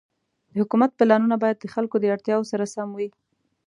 د حکومت پلانونه باید د خلکو د اړتیاوو سره سم وي.